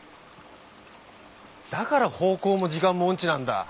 だから方向も時間も音痴なんだ。